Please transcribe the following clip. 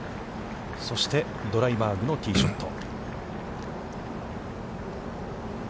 そして、ドライバーグのティーショット。